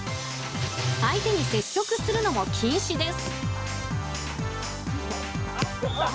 相手に接触するのも禁止です。